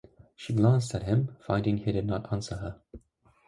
She glanced at him, finding he did not answer her.